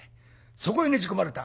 そこへねじ込まれた。